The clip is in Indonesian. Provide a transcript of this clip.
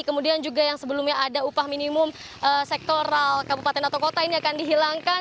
kemudian juga yang sebelumnya ada upah minimum sektoral kabupaten atau kota ini akan dihilangkan